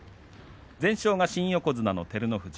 全勝は新横綱の照ノ富士。